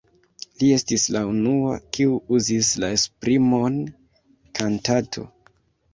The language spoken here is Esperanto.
Li estis la unua, kiu uzis la esprimon „kantato“.